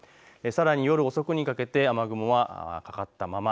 さらに夜遅くにかけて雨雲はかかったまま。